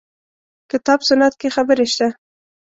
کتاب سنت کې خبرې شته.